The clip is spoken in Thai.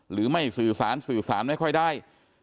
หรือไม่สื่อสารสื่อสารไม่ค่อยได้